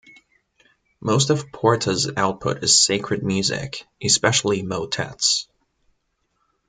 Most of Porta's output is sacred music, especially motets.